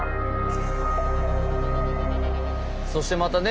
そしてまたね